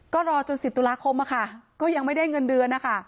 ก็รอจน๑๐ตุลาคมก็ยังไม่ได้เงินเดือน